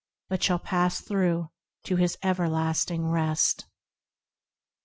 But shall pass through to his everlasting rest.